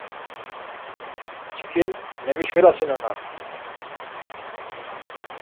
Çkin memişvelasinonan.